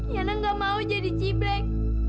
yana gak mau jadi cibrek